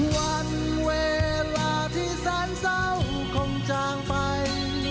วันเวลาที่แสนเศร้าคงจางไป